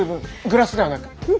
グラスではなく？